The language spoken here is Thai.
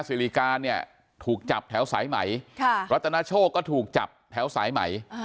ซีรีการถูกจับแถวสายไหมรัตนาโชกก็ถูกจับแถวสายไหม